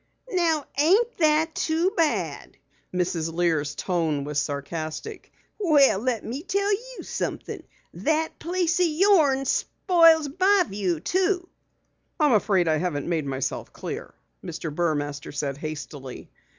"Now ain't that too bad!" Mrs. Lear's tone was sarcastic. "Well, let me tell you somethin'. That place o' yorn spoils my view too!" "I'm afraid I haven't made myself clear," Mr. Burmaster said hastily.